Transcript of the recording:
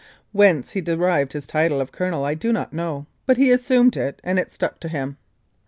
Whence he derived his title of " Colonel " I do not know, but he assumed it and it stuck to him.